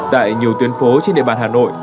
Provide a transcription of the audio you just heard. tại nhiều tuyến phố trên địa bàn hà nội